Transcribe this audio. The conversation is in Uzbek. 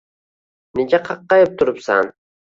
Nega qaqqayib turibsan